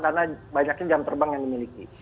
karena banyaknya jam terbang yang dimiliki